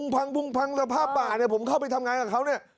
พังสภาพป่าเนี่ยผมเข้าไปทำงานกับเขาเนี่ย